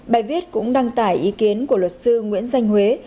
bài viết cũng đăng tải ý kiến của luật sư nguyễn danh huế